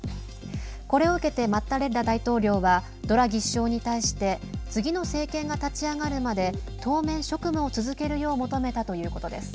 これを受けてマッタレッラ大統領はドラギ首相に対して次の政権が立ち上がるまで当面、職務を続けるよう求めたということです。